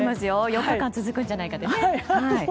４日間続くんじゃないかって。